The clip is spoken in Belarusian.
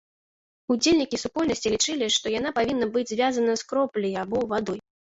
Удзельнікі супольнасці лічылі, што яна павінна быць звязана з кропляй або вадой.